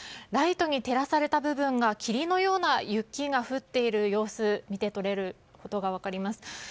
ライトに照らされた部分が霧のような雪が降っている様子が見て取れます。